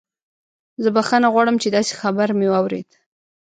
زه بخښنه غواړم چې داسې خبر مې واورید